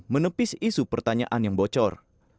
menepis isu pertanyaan yang bocor